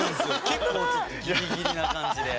結構ちょっとギリギリな感じで。